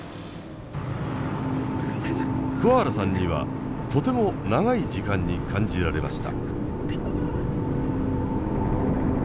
桑原さんにはとても長い時間に感じられました。